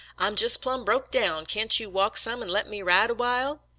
I'm jes' plum' broke down; can't you walk some an' lemme ride a while.!"